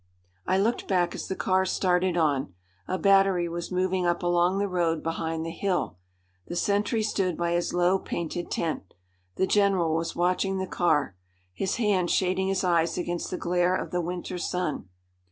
I looked back as the car started on. A battery was moving up along the road behind the hill. The sentry stood by his low painted tent. The general was watching the car, his hand shading his eyes against the glare of the winter sun.